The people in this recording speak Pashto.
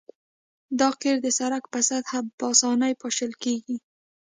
دا قیر د سرک په سطحه په اسانۍ پاشل کیږي